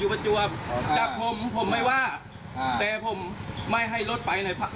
สำหรับผมผมเรียกรถสร้าง